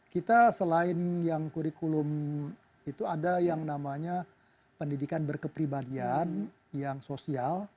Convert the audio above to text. kita selain yang kurikulum itu ada yang namanya pendidikan berkepribadian yang sosial